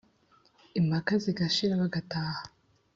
impaka zigashira bagataha